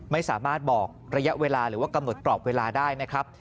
ไม่สามารถบอกระยะเวลาหรือว่ากำหนดกรอบเวลาได้นะครับ